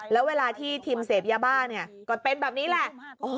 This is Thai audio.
แล้วเวลาที่ทิมเสพยาบ้าเนี่ยก็เป็นแบบนี้แหละ